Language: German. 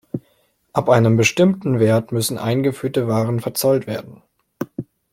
Ab einem bestimmten Wert müssen eingeführte Waren verzollt werden.